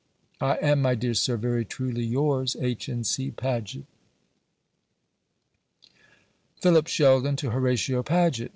I am, my dear Sir, very truly yours, H. N. C. PAGET. Philip Sheldon to Horatio Paget.